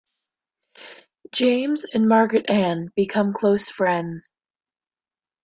James and Margaret Anne become close friends.